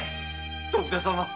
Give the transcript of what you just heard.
徳田様